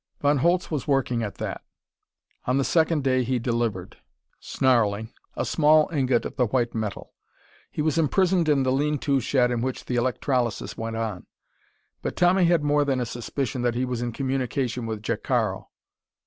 Von Holtz was working at that. On the second day he delivered, snarling, a small ingot of the white metal. He was imprisoned in the lean to shed in which the electrolysis went on. But Tommy had more than a suspicion that he was in communication with Jacaro.